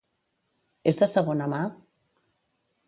És de segona mà?